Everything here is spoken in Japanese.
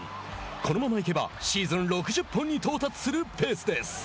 このまま行けばシーズン６０本に到達するペースです。